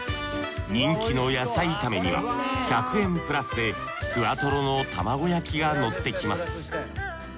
人気の野菜炒めには１００円プラスでふわとろの玉子焼きがのってきます。